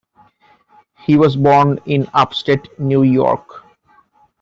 He was born in Upstate New York.